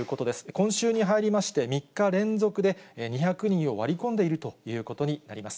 今週に入りまして３日連続で２００人を割り込んでいるということになります。